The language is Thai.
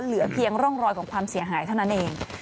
เหลือเพียงร่องรอยของความเสียหายเท่านั้นเอง